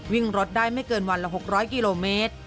วิ่งรถได้ไม่เกินวันละ๖๐๐กิโลเมตร